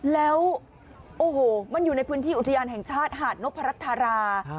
แล้วโอ้โหมันอยู่ในพื้นที่อุทยานแห่งชาติหาดนพรัชธารา